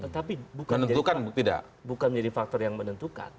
tapi bukan menjadi faktor yang menentukan